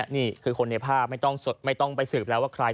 นี่คือคนในภาพไม่ต้องไปสืบแล้วว่าใคร